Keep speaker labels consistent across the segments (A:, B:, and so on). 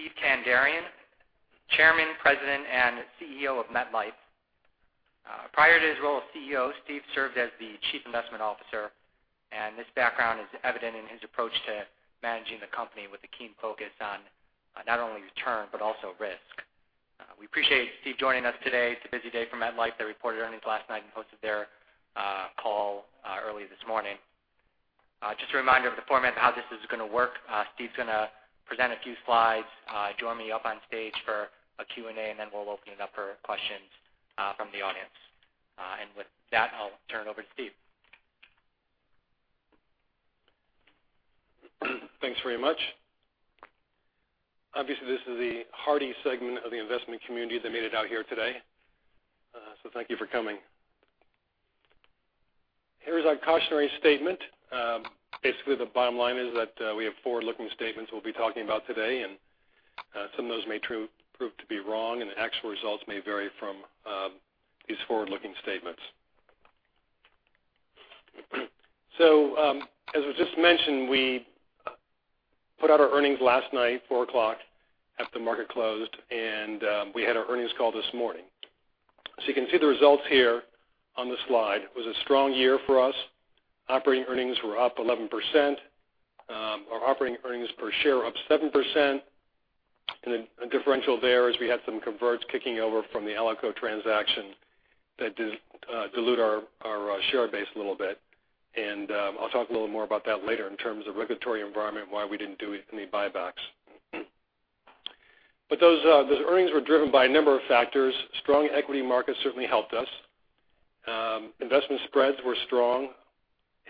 A: Steve Kandarian, Chairman, President, and CEO of MetLife. Prior to his role as CEO, Steve served as the Chief Investment Officer, and this background is evident in his approach to managing the company with a keen focus on not only return but also risk. We appreciate Steve joining us today. It's a busy day for MetLife. They reported earnings last night and hosted their call early this morning. Just a reminder of the format of how this is going to work. Steve's going to present a few slides, join me up on stage for a Q&A, and then we'll open it up for questions from the audience. With that, I'll turn it over to Steve.
B: Thanks very much. Obviously, this is the hearty segment of the investment community that made it out here today. Thank you for coming. Here is our cautionary statement. Basically, the bottom line is that we have forward-looking statements we'll be talking about today, and some of those may prove to be wrong, and the actual results may vary from these forward-looking statements. As was just mentioned, we put out our earnings last night, four o'clock, after the market closed, and we had our earnings call this morning. You can see the results here on the slide. It was a strong year for us. Operating earnings were up 11%. Our operating earnings per share up 7%. The differential there is we had some converts kicking over from the Alico transaction that did dilute our share base a little bit. I'll talk a little more about that later in terms of regulatory environment, why we didn't do any buybacks. Those earnings were driven by a number of factors. Strong equity markets certainly helped us. Investment spreads were strong.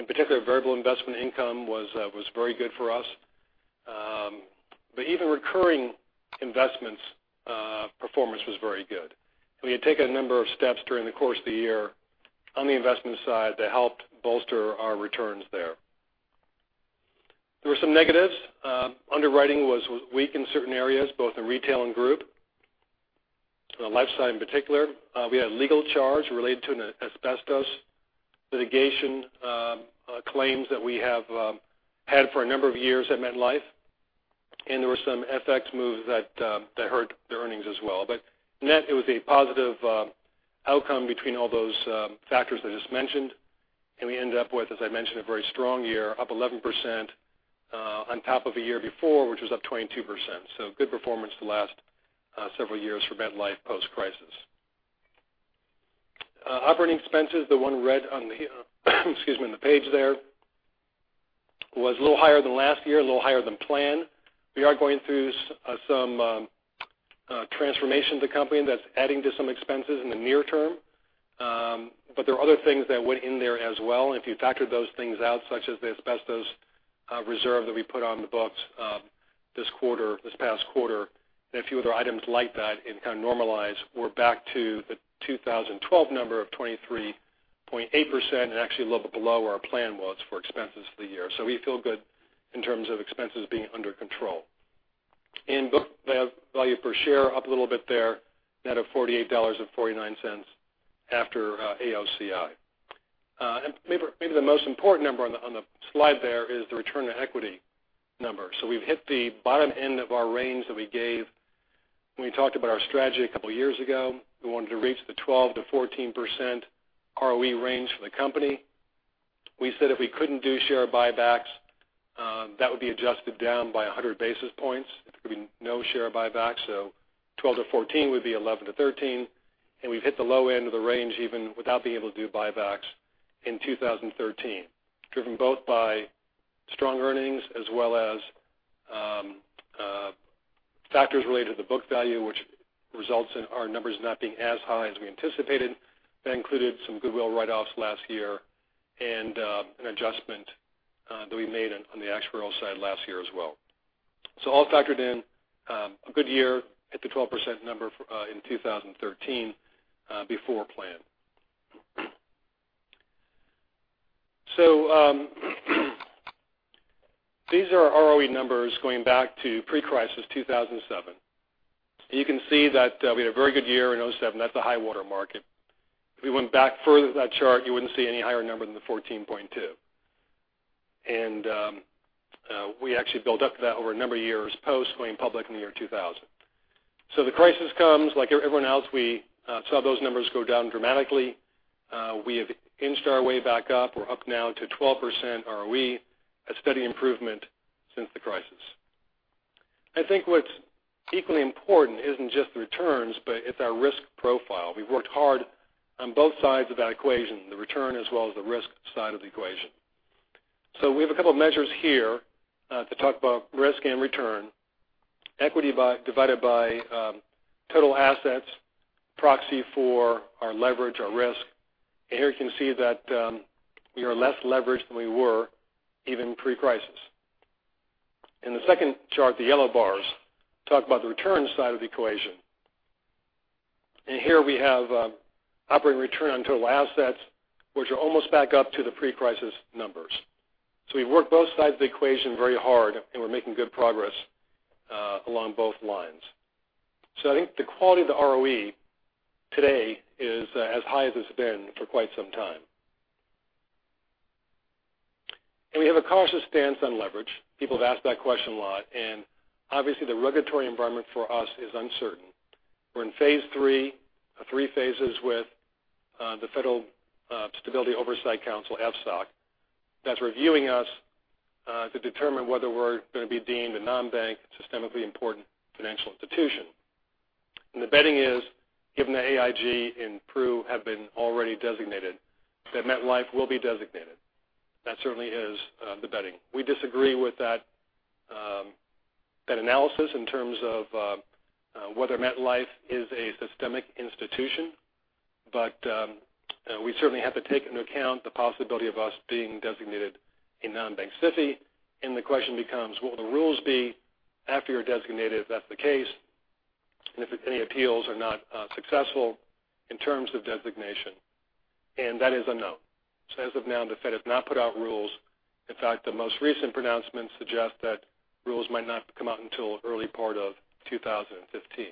B: In particular, variable investment income was very good for us. Even recurring investments performance was very good. We had taken a number of steps during the course of the year on the investment side that helped bolster our returns there. There were some negatives. Underwriting was weak in certain areas, both in retail and group. Life side in particular. We had a legal charge related to an asbestos litigation claims that we have had for a number of years at MetLife. There were some FX moves that hurt the earnings as well. Net, it was a positive outcome between all those factors I just mentioned, and we ended up with, as I mentioned, a very strong year, up 11% on top of the year before, which was up 22%. Good performance the last several years for MetLife post-crisis. Operating expenses, the one in red on the page there, was a little higher than last year, a little higher than planned. We are going through some transformation of the company that's adding to some expenses in the near term. There are other things that went in there as well. If you factor those things out, such as the asbestos reserve that we put on the books this past quarter, and a few other items like that and kind of normalize, we're back to the 2012 number of 23.8% and actually a little bit below where our plan was for expenses for the year. We feel good in terms of expenses being under control. In book value per share, up a little bit there, net of $48.49 after AOCI. Maybe the most important number on the slide there is the return on equity number. We've hit the bottom end of our range that we gave when we talked about our strategy a couple of years ago. We wanted to reach the 12%-14% ROE range for the company. We said if we couldn't do share buybacks, that would be adjusted down by 100 basis points. There would be no share buybacks. 12-14 would be 11-13, and we've hit the low end of the range even without being able to do buybacks in 2013, driven both by strong earnings as well as factors related to book value, which results in our numbers not being as high as we anticipated. That included some goodwill write-offs last year and an adjustment that we made on the actuarial side last year as well. All factored in, a good year at the 12% number in 2013 before plan. These are our ROE numbers going back to pre-crisis 2007. You can see that we had a very good year in 2007. That's a high-water mark. If we went back further than that chart, you wouldn't see any higher number than the 14.2. We actually built up to that over a number of years post going public in the year 2000. The crisis comes. Like everyone else, we saw those numbers go down dramatically. We have inched our way back up. We're up now to 12% ROE, a steady improvement since the crisis. I think what's equally important isn't just the returns, but it's our risk profile. We've worked hard on both sides of that equation, the return as well as the risk side of the equation. We have a couple of measures here to talk about risk and return. Equity divided by total assets, proxy for our leverage, our risk. Here you can see that we are less leveraged than we were even pre-crisis. In the second chart, the yellow bars talk about the return side of the equation. Here we have operating return on total assets, which are almost back up to the pre-crisis numbers. We've worked both sides of the equation very hard, and we're making good progress along both lines. I think the quality of the ROE today is as high as it's been for quite some time. We have a cautious stance on leverage. People have asked that question a lot, and obviously the regulatory environment for us is uncertain. We're in phase 3 of 3 phases with the Financial Stability Oversight Council, FSOC, that's reviewing us to determine whether we're going to be deemed a non-bank systemically important financial institution. The betting is, given that AIG and Pru have been already designated, that MetLife will be designated. That certainly is the betting. We disagree with that analysis in terms of whether MetLife is a systemic institution, but we certainly have to take into account the possibility of us being designated a non-bank SIFI. The question becomes, what will the rules be after you're designated, if that's the case, and if any appeals are not successful in terms of designation. That is a no. As of now, the Fed has not put out rules. In fact, the most recent pronouncements suggest that rules might not come out until early part of 2015.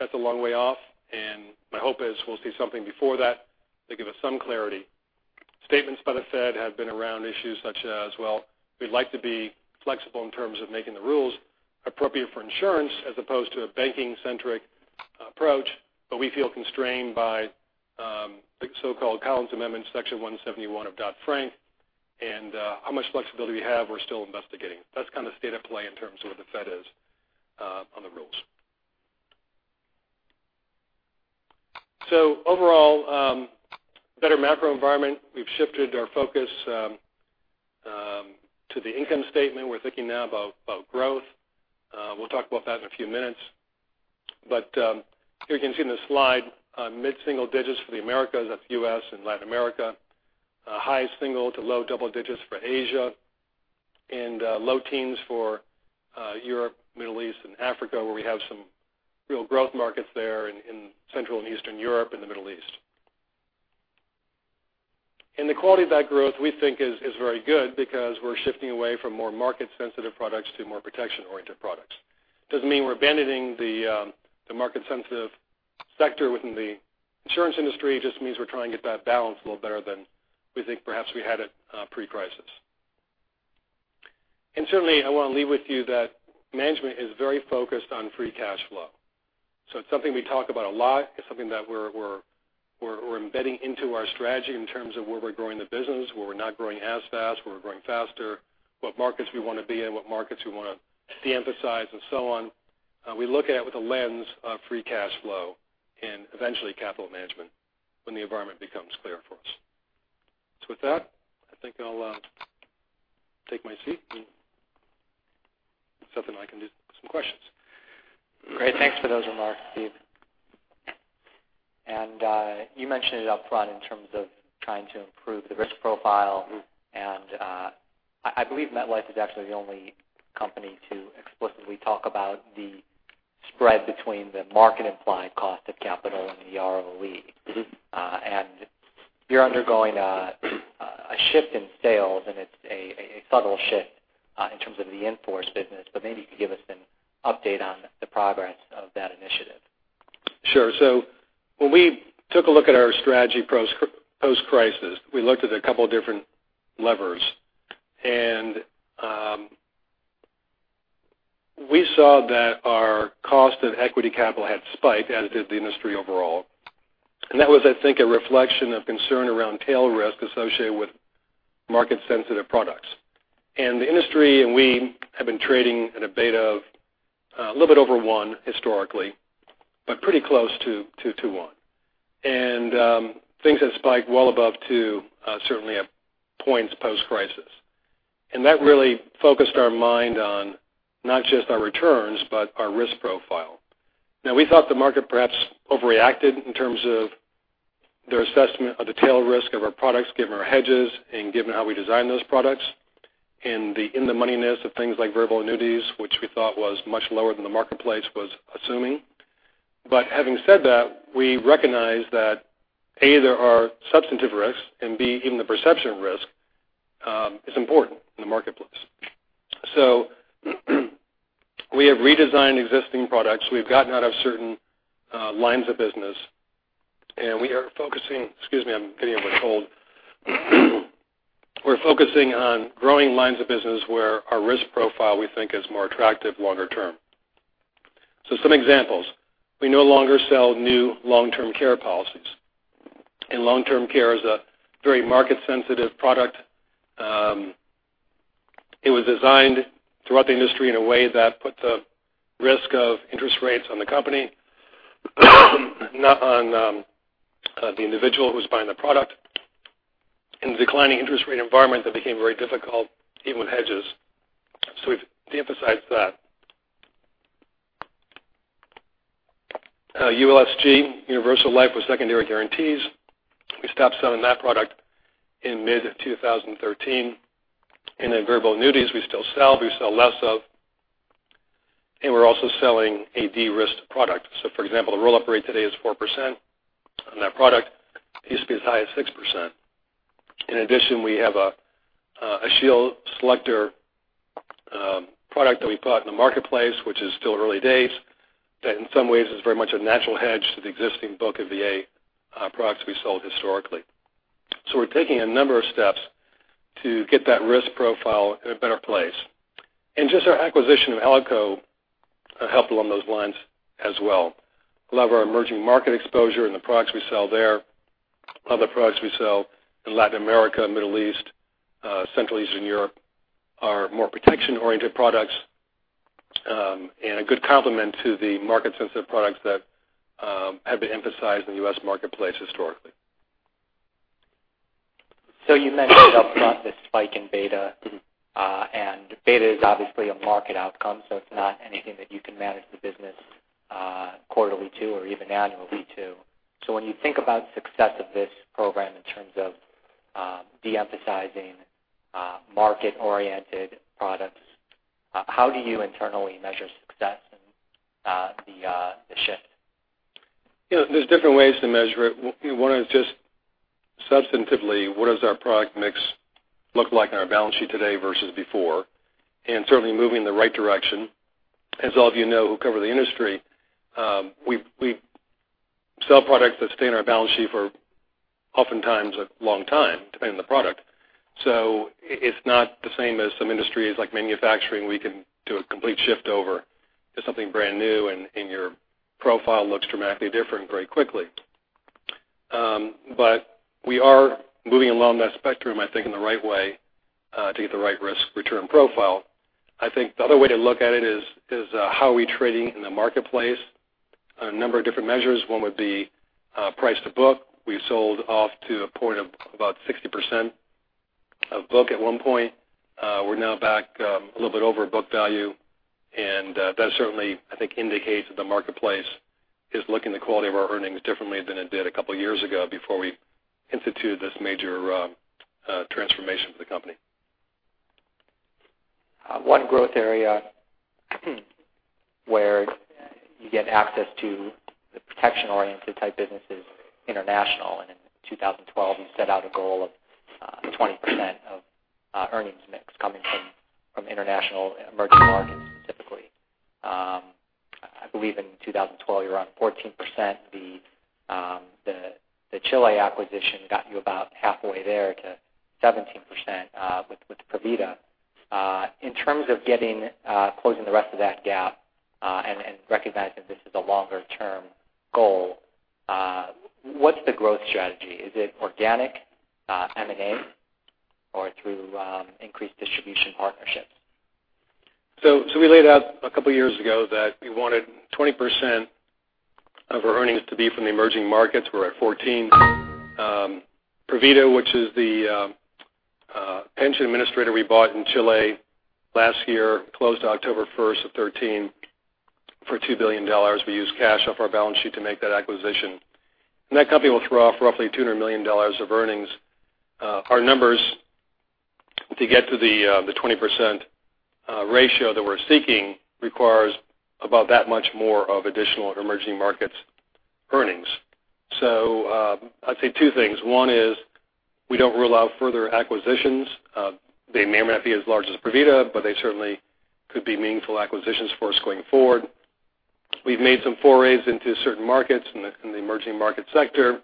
B: That's a long way off, and my hope is we'll see something before that to give us some clarity. Statements by the Fed have been around issues such as, well, we'd like to be flexible in terms of making the rules appropriate for insurance as opposed to a banking-centric approach, but we feel constrained by the so-called Collins Amendment, Section 171 of Dodd-Frank, and how much flexibility we have, we're still investigating. That's kind of the state of play in terms of where the Fed is on the rules. Overall, better macro environment. We've shifted our focus to the income statement. We're thinking now about growth. We'll talk about that in a few minutes. Here you can see in this slide, mid-single digits for the Americas, that's US and Latin America. High single to low double digits for Asia, and low teens for Europe, Middle East, and Africa, where we have some real growth markets there in Central and Eastern Europe and the Middle East. The quality of that growth, we think, is very good because we're shifting away from more market-sensitive products to more protection-oriented products. Doesn't mean we're abandoning the market-sensitive sector within the insurance industry. It just means we're trying to get that balance a little better than we think perhaps we had it pre-crisis. Certainly, I want to leave with you that management is very focused on free cash flow. It's something we talk about a lot. It's something that we're embedding into our strategy in terms of where we're growing the business, where we're not growing as fast, where we're growing faster, what markets we want to be in, what markets we want to de-emphasize, and so on. We look at it with a lens of free cash flow and eventually capital management when the environment becomes clear for us. With that, I think I'll take my seat and see if there's something I can do, some questions.
A: Great, thanks for those remarks, Steve. You mentioned it up front in terms of trying to improve the risk profile. I believe MetLife is actually the only company to explicitly talk about the spread between the market-implied cost of capital and the ROE. You're undergoing a shift in sales, and it's a subtle shift in terms of the in-force business, but maybe you could give us an update on the progress of that initiative.
B: Sure. When we took a look at our strategy post-crisis, we looked at a couple different levers. We saw that our cost of equity capital had spiked, as did the industry overall. That was, I think, a reflection of concern around tail risk associated with market-sensitive products. The industry and we have been trading at a beta of a little bit over one historically, but pretty close to one. Things have spiked well above two certainly at points post-crisis. That really focused our mind on not just our returns, but our risk profile. Now, we thought the market perhaps overreacted in terms of their assessment of the tail risk of our products given our hedges and given how we designed those products, and the in-the-moneyness of things like variable annuities, which we thought was much lower than the marketplace was assuming. Having said that, we recognize that, A, there are substantive risks, and B, even the perception of risk is important in the marketplace. We have redesigned existing products. We've gotten out of certain lines of business, excuse me, I'm getting a little cold. We're focusing on growing lines of business where our risk profile, we think, is more attractive longer term. Some examples. We no longer sell new long-term care policies, and long-term care is a very market-sensitive product. It was designed throughout the industry in a way that put the risk of interest rates on the company, not on the individual who's buying the product. In the declining interest rate environment, that became very difficult, even with hedges. We've de-emphasized that. ULSG, universal life with secondary guarantees, we stopped selling that product in mid-2013. Variable annuities, we still sell, but we sell less of, and we're also selling a de-risked product. For example, the roll-up rate today is 4% on that product. It used to be as high as 6%. In addition, we have a Shield Level Selector product that we bought in the marketplace, which is still early days, that in some ways is very much a natural hedge to the existing book of VA products we sold historically. We're taking a number of steps to get that risk profile in a better place. Just our acquisition of Alico helped along those lines as well. A lot of our emerging market exposure and the products we sell there, other products we sell in Latin America, Middle East, Central Eastern Europe, are more protection-oriented products and a good complement to the market-sensitive products that have been emphasized in the U.S. marketplace historically.
A: You mentioned upfront the spike in beta is obviously a market outcome, it's not anything that you can manage the business quarterly to or even annually to. When you think about success of this program in terms of de-emphasizing market-oriented products, how do you internally measure success in the shift?
B: There's different ways to measure it. One is just substantively, what does our product mix look like on our balance sheet today versus before? Certainly moving in the right direction. As all of you know who cover the industry, we sell products that stay on our balance sheet for oftentimes a long time, depending on the product. It's not the same as some industries like manufacturing, we can do a complete shift over to something brand new, your profile looks dramatically different very quickly. We are moving along that spectrum, I think, in the right way to get the right risk-return profile. I think the other way to look at it is how are we trading in the marketplace? A number of different measures. One would be price to book. We sold off to a point of about 60% of book at one point. We're now back a little bit over book value. That certainly, I think, indicates that the marketplace is looking at the quality of our earnings differently than it did a couple of years ago before we instituted this major transformation for the company.
A: One growth area where you get access to the protection-oriented type businesses international. In 2012, you set out a goal of 20% of earnings mix coming from international emerging markets, specifically. I believe in 2012, you were on 14%. The Chile acquisition got you about halfway there to 17% with Provida. In terms of closing the rest of that gap and recognizing this is a longer-term goal, what's the growth strategy? Is it organic M&A or through increased distribution partnerships?
B: We laid out a couple of years ago that we wanted 20% of our earnings to be from the emerging markets. We're at 14%. Provida, which is the pension administrator we bought in Chile last year, closed October 1st of 2013 for $2 billion. We used cash off our balance sheet to make that acquisition. That company will throw off roughly $200 million of earnings. Our numbers to get to the 20% ratio that we're seeking requires about that much more of additional emerging markets earnings. I'd say two things. One is we don't rule out further acquisitions. They may or may not be as large as Provida, but they certainly could be meaningful acquisitions for us going forward. We've made some forays into certain markets in the emerging market sector.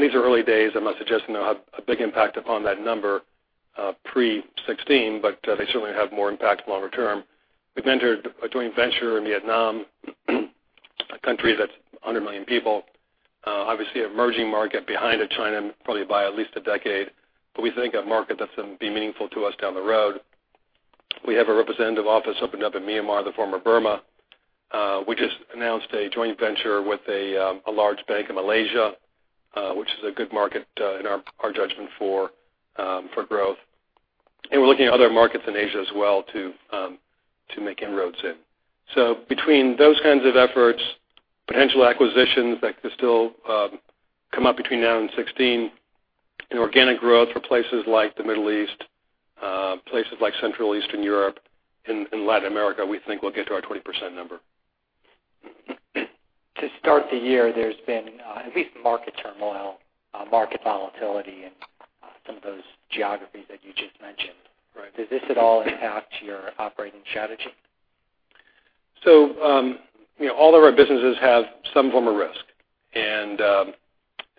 B: These are early days. I'm not suggesting they'll have a big impact upon that number pre 2016, they certainly have more impact longer term. We've entered a joint venture in Vietnam, a country that's under a million people. Obviously, an emerging market behind China, probably by at least a decade. We think a market that's going to be meaningful to us down the road. We have a representative office opened up in Myanmar, the former Burma. We just announced a joint venture with a large bank in Malaysia, which is a good market in our judgment for growth. We're looking at other markets in Asia as well to make inroads in. Between those kinds of efforts, potential acquisitions that could still come up between now and 2016, and organic growth for places like the Middle East, places like Central Eastern Europe and Latin America, we think we'll get to our 20% number.
A: To start the year, there's been at least market turmoil, market volatility in some of those geographies that you just mentioned.
B: Right.
A: Does this at all impact your operating strategy?
B: All of our businesses have some form of risk.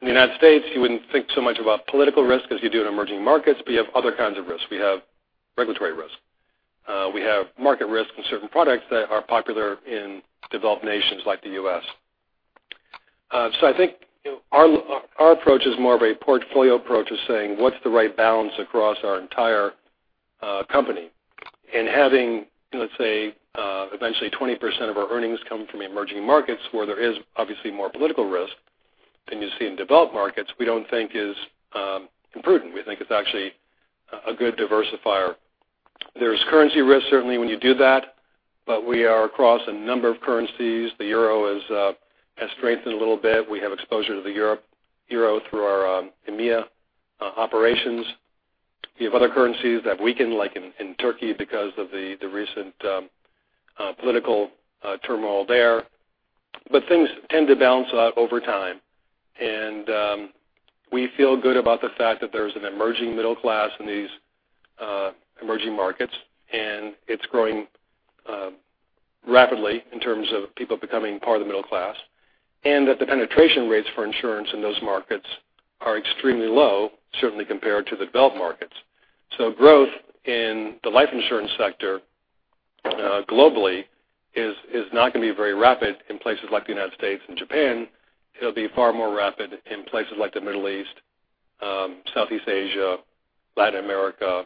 B: In the United States, you wouldn't think so much about political risk as you do in emerging markets, but you have other kinds of risks. We have regulatory risk. We have market risk in certain products that are popular in developed nations like the U.S. I think our approach is more of a portfolio approach of saying, what's the right balance across our entire company? Having, let's say, eventually 20% of our earnings come from emerging markets where there is obviously more political risk than you see in developed markets, we don't think is imprudent. We think it's actually a good diversifier. There's currency risk, certainly, when you do that, but we are across a number of currencies. The Euro has strengthened a little bit. We have exposure to the Euro through our EMEA operations. We have other currencies that weakened, like in Turkey because of the recent political turmoil there. Things tend to balance out over time. We feel good about the fact that there's an emerging middle class in these emerging markets, and it's growing rapidly in terms of people becoming part of the middle class, and that the penetration rates for insurance in those markets are extremely low, certainly compared to the developed markets. Growth in the life insurance sector globally is not going to be very rapid in places like the U.S. and Japan. It'll be far more rapid in places like the Middle East, Southeast Asia, Latin America,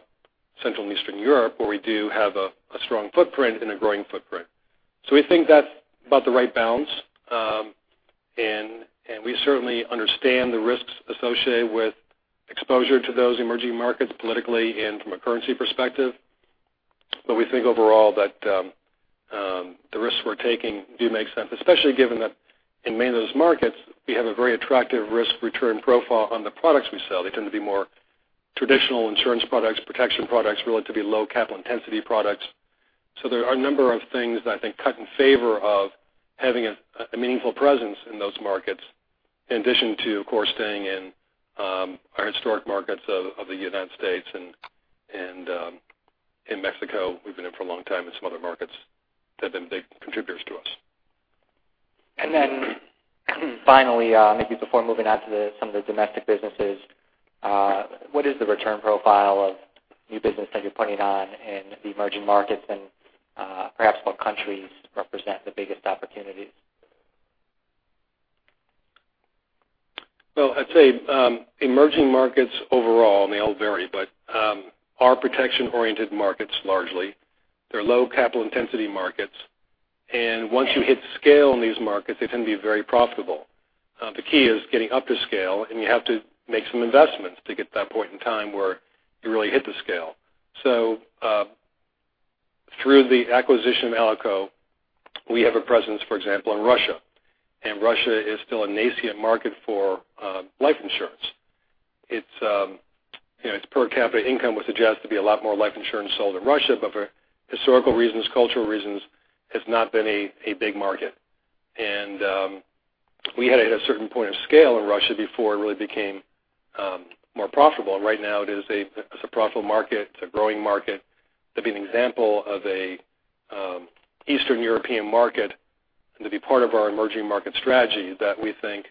B: Central and Eastern Europe, where we do have a strong footprint and a growing footprint. We think that's about the right balance. We certainly understand the risks associated with exposure to those emerging markets politically and from a currency perspective. We think overall that the risks we're taking do make sense, especially given that in many of those markets, we have a very attractive risk-return profile on the products we sell. They tend to be more traditional insurance products, protection products, relatively low capital intensity products. There are a number of things that I think cut in favor of having a meaningful presence in those markets, in addition to, of course, staying in our historic markets of the U.S. and in Mexico. We've been in for a long time in some other markets that have been big contributors to us.
A: Finally, maybe before moving on to some of the domestic businesses, what is the return profile of new business that you're planning on in the emerging markets? Perhaps what countries represent the biggest opportunities?
B: I'd say emerging markets overall, they all vary, but are protection-oriented markets largely. They're low capital intensity markets. Once you hit scale in these markets, they can be very profitable. The key is getting up to scale, and you have to make some investments to get to that point in time where you really hit the scale. Through the acquisition of Alico, we have a presence, for example, in Russia. Russia is still a nascent market for life insurance. Its per capita income would suggest there be a lot more life insurance sold in Russia, but for historical reasons, cultural reasons, has not been a big market. We had to hit a certain point of scale in Russia before it really became more profitable. Right now it is a profitable market, a growing market, to be an example of an Eastern European market and to be part of our emerging market strategy that we think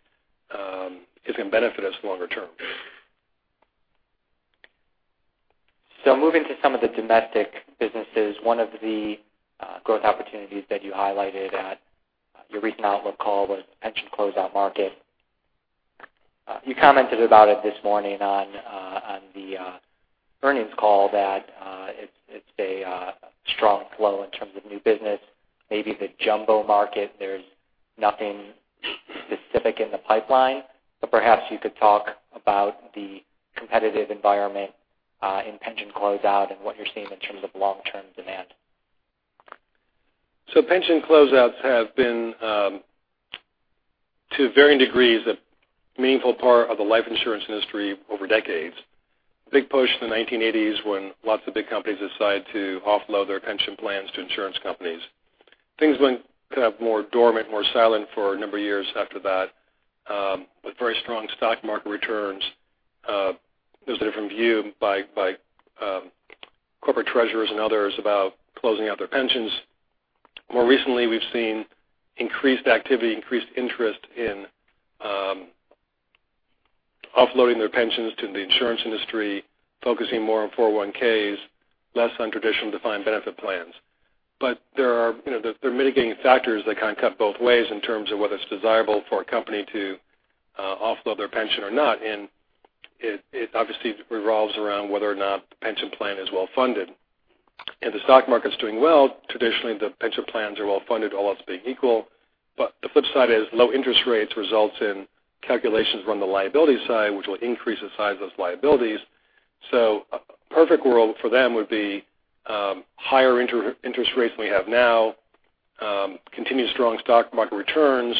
B: is going to benefit us longer term.
A: Moving to some of the domestic businesses, one of the growth opportunities that you highlighted at your recent outlook call was pension closeout market. You commented about it this morning on the earnings call that it's a strong flow in terms of new business. Maybe the jumbo market, there's nothing specific in the pipeline. Perhaps you could talk about the competitive environment in pension closeout and what you're seeing in terms of long-term demand.
B: Pension closeouts have been, to varying degrees, a meaningful part of the life insurance industry over decades. Big push in the 1980s when lots of big companies decided to offload their pension plans to insurance companies. Things went kind of more dormant, more silent for a number of years after that. With very strong stock market returns, there's a different view by corporate treasurers and others about closing out their pensions. More recently, we've seen increased activity, increased interest in offloading their pensions to the insurance industry, focusing more on 401(k)s, less on traditional defined benefit plans. There are mitigating factors that kind of cut both ways in terms of whether it's desirable for a company to offload their pension or not. It obviously revolves around whether or not the pension plan is well-funded. If the stock market's doing well, traditionally the pension plans are well-funded, all else being equal. The flip side is low interest rates results in calculations around the liability side, which will increase the size of those liabilities. A perfect world for them would be higher interest rates than we have now, continued strong stock market returns,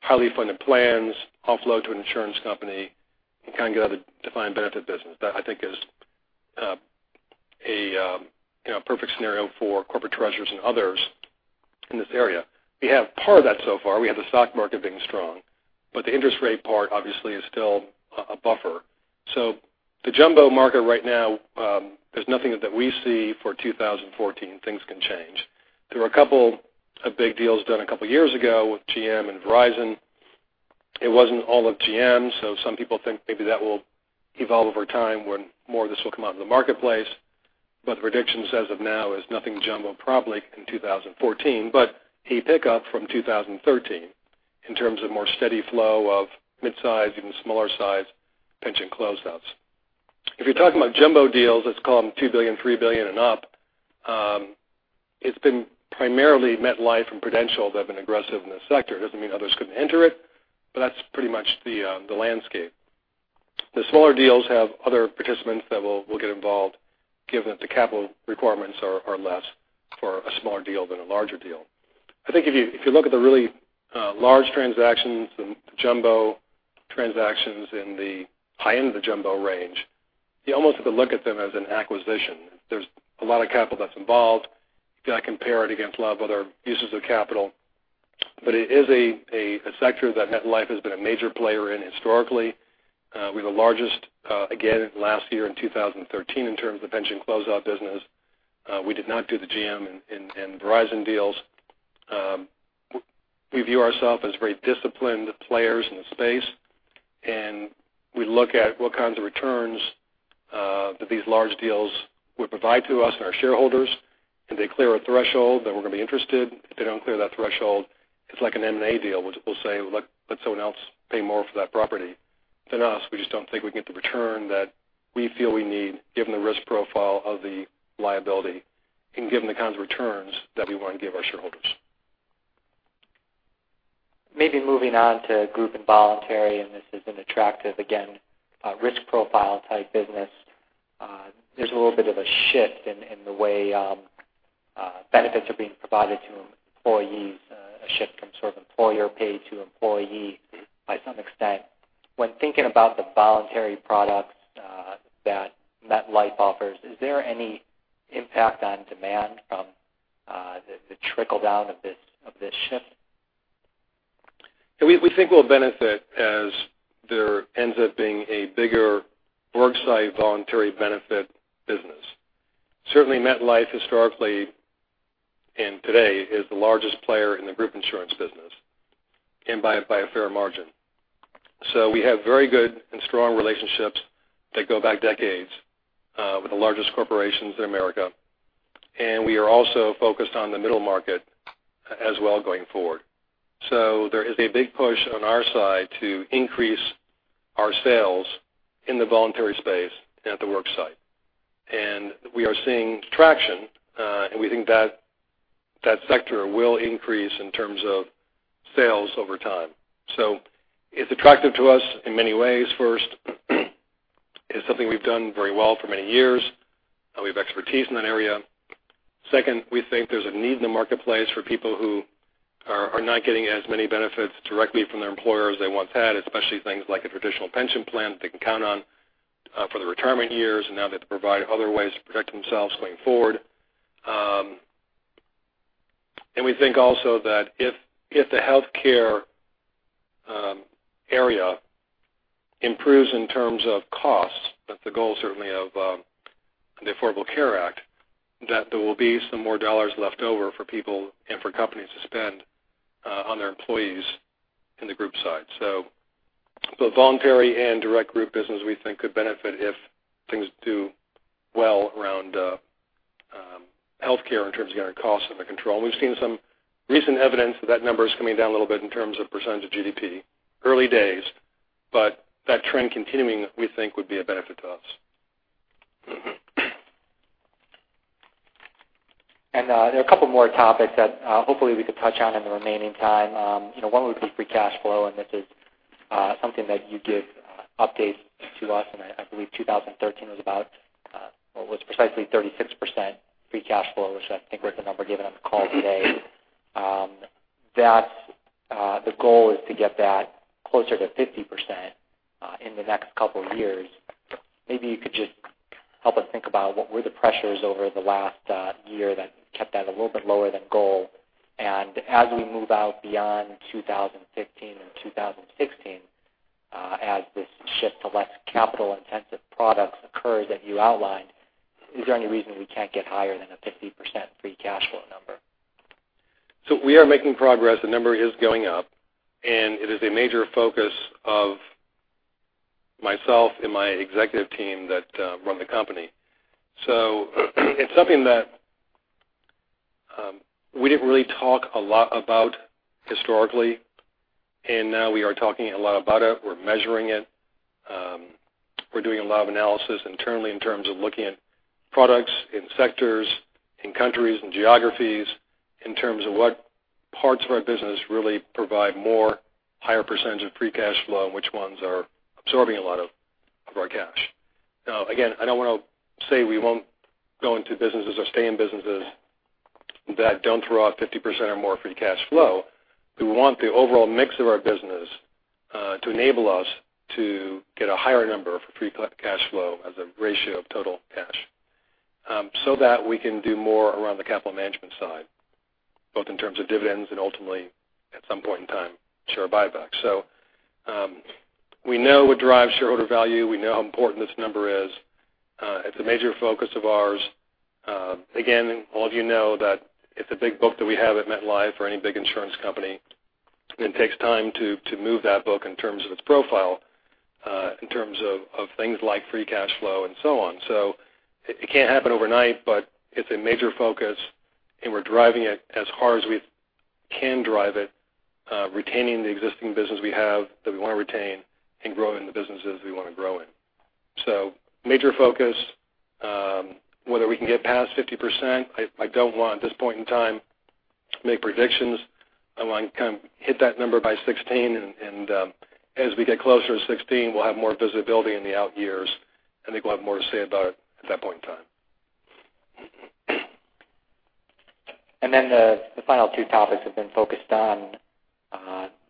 B: highly funded plans, offload to an insurance company, and kind of get out of the defined benefit business. That, I think is a perfect scenario for corporate treasurers and others in this area. We have part of that so far. We have the stock market being strong, but the interest rate part obviously is still a buffer. The jumbo market right now, there's nothing that we see for 2014. Things can change. There were a couple of big deals done a couple of years ago with GM and Verizon. It wasn't all of GM, some people think maybe that will evolve over time when more of this will come out in the marketplace. The predictions as of now is nothing jumbo probably in 2014, but a pickup from 2013 in terms of more steady flow of mid-size, even smaller size pension closeouts. If you're talking about jumbo deals, let's call them $2 billion-$3 billion and up, it's been primarily MetLife and Prudential that have been aggressive in this sector. It doesn't mean others couldn't enter it, but that's pretty much the landscape. The smaller deals have other participants that will get involved given that the capital requirements are less for a smaller deal than a larger deal. I think if you look at the really large transactions, the jumbo transactions in the high end of the jumbo range, you almost have to look at them as an acquisition. There's a lot of capital that's involved. You got to compare it against a lot of other uses of capital, but it is a sector that MetLife has been a major player in historically. We're the largest, again, last year in 2013 in terms of pension closeout business. We did not do the GM and Verizon deals. We view ourself as very disciplined players in the space, and we look at what kinds of returns that these large deals would provide to us and our shareholders. If they clear a threshold, we're going to be interested. If they don't clear that threshold, it's like an M&A deal. We'll say, "Let someone else pay more for that property than us." We just don't think we can get the return that we feel we need given the risk profile of the liability and given the kinds of returns that we want to give our shareholders.
A: Maybe moving on to group and voluntary, this is an attractive, again, risk profile type business. There's a little bit of a shift in the way benefits are being provided to employees, a shift from sort of employer paid to employee by some extent. When thinking about the voluntary products that MetLife offers, is there any impact on demand from the trickle-down of this shift?
B: We think we'll benefit as there ends up being a bigger worksite voluntary benefit business. Certainly MetLife historically and today is the largest player in the group insurance business, and by a fair margin. We have very good and strong relationships that go back decades with the largest corporations in America, and we are also focused on the middle market as well going forward. There is a big push on our side to increase our sales in the voluntary space at the worksite. We are seeing traction, and we think that that sector will increase in terms of sales over time. It's attractive to us in many ways. First, it's something we've done very well for many years. We have expertise in that area. Second, we think there's a need in the marketplace for people who are not getting as many benefits directly from their employer as they once had, and now they have to provide other ways to protect themselves going forward. We think also that if the healthcare area improves in terms of cost, that the goal certainly of the Affordable Care Act, there will be some more dollars left over for people and for companies to spend on their employees in the group side. Both voluntary and direct group business, we think, could benefit if things do well around healthcare in terms of getting our costs under control. We've seen some recent evidence that that number is coming down a little bit in terms of percentage of GDP. Early days, that trend continuing, we think, would be a benefit to us.
A: There are a couple more topics that hopefully we could touch on in the remaining time. One would be free cash flow, and this is something that you give updates to us, and I believe 2013 was precisely 36% free cash flow, which I think was the number given on the call today. The goal is to get that closer to 50% in the next couple of years. Maybe you could just help us think about what were the pressures over the last year that kept that a little bit lower than goal. As we move out beyond 2015 and 2016, as this shift to less capital-intensive products occurs that you outlined, is there any reason we can't get higher than a 50% free cash flow number?
B: We are making progress. The number is going up. It is a major focus of myself and my executive team that run the company. It's something that we didn't really talk a lot about historically. Now we are talking a lot about it. We're measuring it. We're doing a lot of analysis internally in terms of looking at products in sectors, in countries, in geographies, in terms of what parts of our business really provide more higher percentage of free cash flow and which ones are absorbing a lot of our cash. Again, I don't want to say we won't go into businesses or stay in businesses that don't throw off 50% or more free cash flow. We want the overall mix of our business to enable us to get a higher number for free cash flow as a ratio of total cash so that we can do more around the capital management side, both in terms of dividends and ultimately, at some point in time, share buybacks. We know what drives shareholder value. We know how important this number is. It's a major focus of ours. Again, all of you know that it's a big book that we have at MetLife or any big insurance company. It takes time to move that book in terms of its profile, in terms of things like free cash flow and so on. It can't happen overnight. It's a major focus. We're driving it as hard as we can drive it, retaining the existing business we have that we want to retain and growing the businesses we want to grow in. Major focus. Whether we can get past 50%, I don't want, at this point in time, to make predictions. I want to kind of hit that number by 2016. As we get closer to 2016, we'll have more visibility in the out years. I think we'll have more to say about it at that point in time.
A: The final two topics have been focused on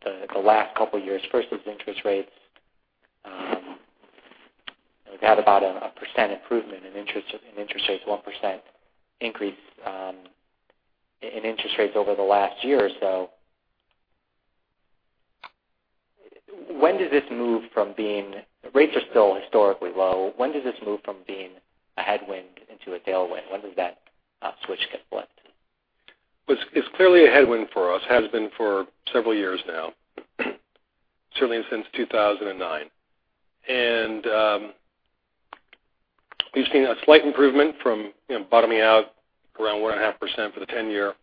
A: the last couple of years. First is interest rates. We've had about a 1% improvement in interest rates, 1% increase in interest rates over the last year or so. Rates are still historically low. When does this move from being a headwind into a tailwind? When does that switch get flipped?
B: It's clearly a headwind for us, has been for several years now, certainly since 2009. We've seen a slight improvement from bottoming out around 1.5% for the 10-year.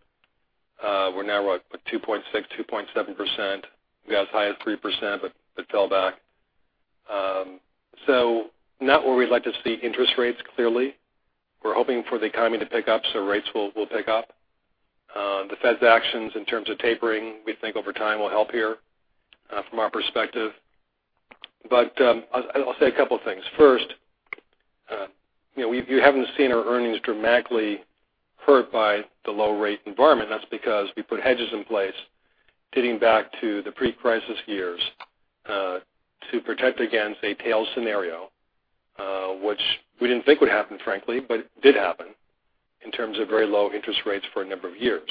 B: We're now at 2.6%, 2.7%. We got as high as 3%, but it fell back. Not where we'd like to see interest rates, clearly. We're hoping for the economy to pick up, so rates will pick up. The Fed's actions in terms of tapering, we think over time, will help here from our perspective. I'll say a couple things. First, you haven't seen our earnings dramatically hurt by the low-rate environment. That's because we put hedges in place dating back to the pre-crisis years to protect against a tail scenario which we didn't think would happen, frankly, but it did happen in terms of very low interest rates for a number of years.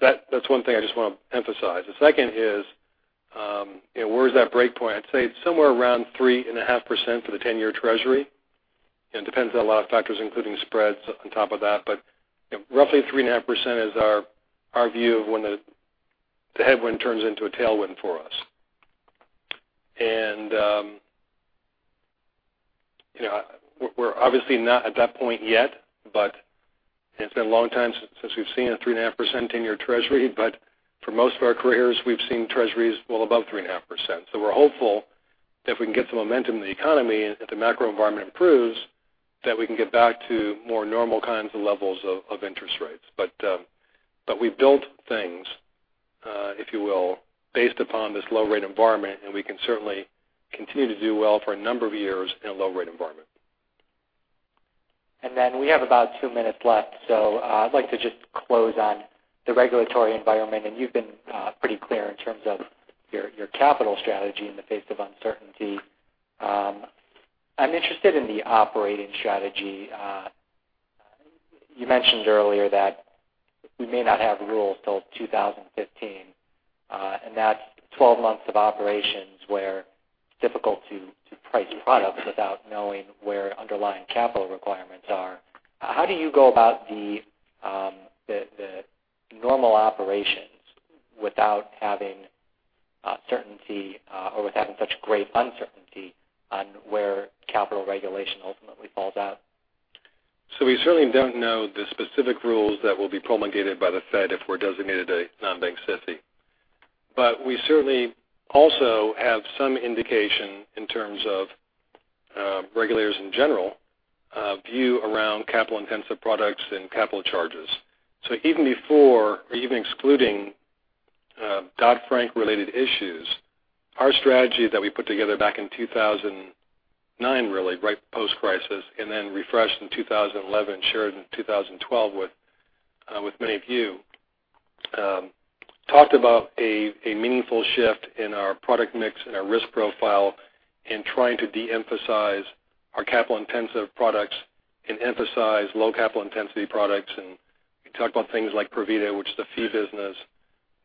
B: That's one thing I just want to emphasize. The second is where is that break point? I'd say it's somewhere around 3.5% for the 10-year Treasury. It depends on a lot of factors, including spreads on top of that. Roughly 3.5% is our view of when the headwind turns into a tailwind for us. We're obviously not at that point yet, but it's been a long time since we've seen a 3.5% 10-year Treasury. For most of our careers, we've seen Treasuries well above 3.5%. We're hopeful if we can get some momentum in the economy, if the macro environment improves, that we can get back to more normal kinds of levels of interest rates. We've built things, if you will, based upon this low-rate environment, and we can certainly continue to do well for a number of years in a low-rate environment.
A: We have about two minutes left. I'd like to just close on the regulatory environment, and you've been pretty clear in terms of your capital strategy in the face of uncertainty. I'm interested in the operating strategy. You mentioned earlier that we may not have rules till 2015, and that's 12 months of operations where it's difficult to price products without knowing where underlying capital requirements are. How do you go about the normal operations without having certainty, or with having such great uncertainty on where capital regulation ultimately falls out?
B: We certainly don't know the specific rules that will be promulgated by the Fed if we're designated a non-bank SIFI. We certainly also have some indication in terms of regulators' in general view around capital-intensive products and capital charges. Even before, or even excluding Dodd-Frank related issues, our strategy that we put together back in 2009, really right post-crisis, and then refreshed in 2011, shared in 2012 with many of you, talked about a meaningful shift in our product mix and our risk profile in trying to de-emphasize our capital-intensive products and emphasize low capital intensity products. We talked about things like Provida, which is the fee business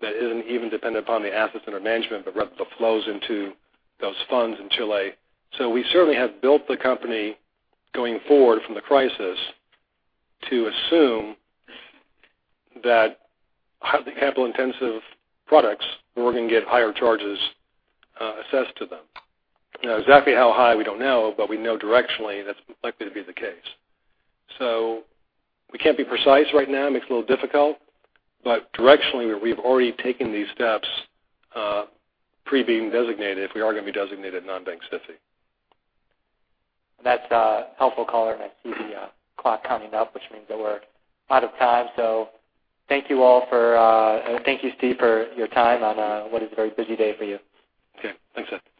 B: that isn't even dependent upon the assets under management, but the flows into those funds in Chile. We certainly have built the company going forward from the crisis to assume that the capital-intensive products, we're going to get higher charges assessed to them. Exactly how high, we don't know, but we know directionally that's likely to be the case. We can't be precise right now, makes it a little difficult. Directionally, we've already taken these steps pre being designated if we are going to be designated a non-bank SIFI.
A: That's helpful color. I see the clock counting up, which means that we're out of time. Thank you all, thank you, Steve, for your time on what is a very busy day for you.
B: Okay. Thanks, Seth.